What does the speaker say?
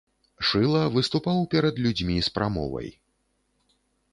Шыла выступаў перад людзьмі з прамовай.